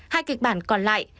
hai kịch bản còn lại